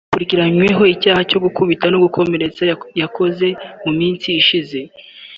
Akurikiranyweho icyaha cyo gukubita no gukomeretsa yakoze mu minsi ishize